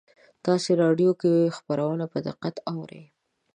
تاسې راډیو کې خبرونه په دقت اورئ